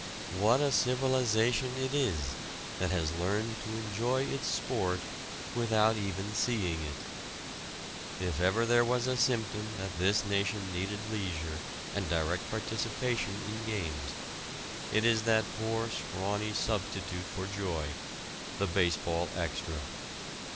What a civilization it is that has learned to enjoy its sport without even seeing it! If ever there was a symptom that this nation needed leisure and direct participation in games, it is that poor scrawny substitute for joy the baseball extra.